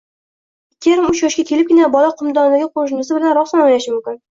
Ikki yarim-uch yoshga kelibgina bola “qumdondagi qo‘shnisi” bilan rosmana o‘ynashi mumkin.